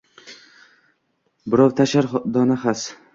Birov tashlar dona xas.